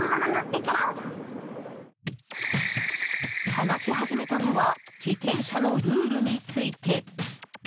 話し始めたのは自転車のルールについて。